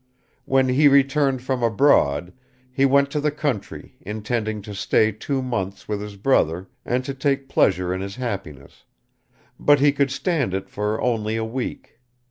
When he returned from abroad, he went to the country, intending to stay two months with his brother and to take pleasure in his happiness, but he could stand it for only a week.